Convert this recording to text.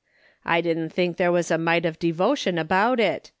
I didn't think there was a mite of devo tion about it.